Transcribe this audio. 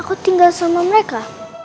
aku tinggal sama mereka